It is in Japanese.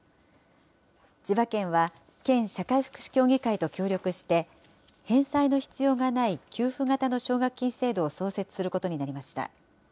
千葉県は、県社会福祉協議会と協力して、返済の必要がない給付型の奨学金制度を創設することになりました。